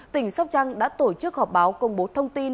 tỉnh sóc trăng đã tổ chức họp báo công bố thông tin